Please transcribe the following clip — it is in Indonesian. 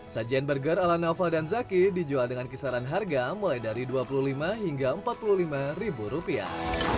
sajian burger ala naufal dan zaki dijual dengan kisaran harga mulai dari dua puluh lima hingga empat puluh lima ribu rupiah